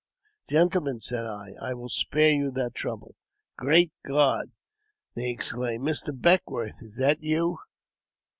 ''*' Gentlemen," said I, " I will spare you that trouble." " Great God !" they exclaimed, '* Mr. Beckwourth, is that you?"